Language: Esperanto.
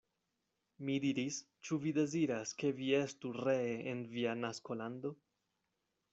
Mi diris, Ĉu vi deziras, ke vi estu ree en via naskolando?